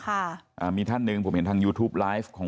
แล้วผมเป็นเพื่อนกับพระนกแต่ผมก็ไม่เคยช่วยเหลือเสียแป้ง